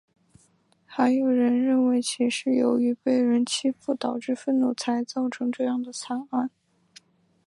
还有人认为其是由于被人欺负导致愤怒才造成这样的惨案。